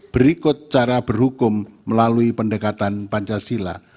berikut cara berhukum melalui pendekatan pancasila